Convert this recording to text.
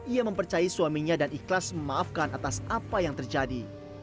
ia mempercayai suaminya dan ikhlas memaafkan atas apa yang terjadi